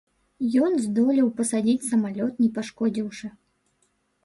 Ён здолеў пасадзіць самалёт не пашкодзіўшы.